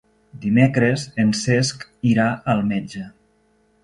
Dimecres en Cesc irà al metge.